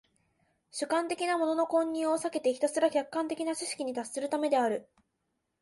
主観的なものの混入を避けてひたすら客観的な知識に達するためである。